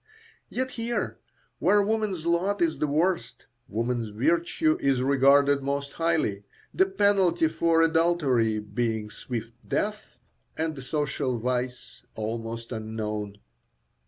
Yet here, where woman's lot is the worst, woman's virtue is regarded most highly, the penalty for adultery being swift death, and the social vice almost unknown.